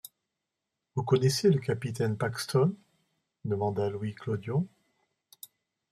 Vous connaissez le capitaine Paxton ?… demanda Louis Clodion.